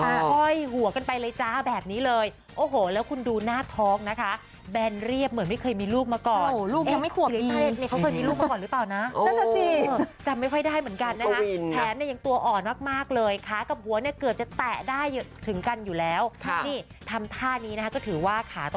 ห้อยหัวกันไปเลยจ้าแบบนี้เลยโอ้โหแล้วคุณดูหน้าท้องนะคะแบนเรียบเหมือนไม่เคยมีลูกมาก่อนลูกยังไม่ขวบเลยเขาเคยมีลูกมาก่อนหรือเปล่านะนั่นน่ะสิจำไม่ค่อยได้เหมือนกันนะคะแถมเนี่ยยังตัวอ่อนมากเลยขากับหัวเนี่ยเกือบจะแตะได้ถึงกันอยู่แล้วนี่ทำท่านี้นะคะก็ถือว่าขาต้อง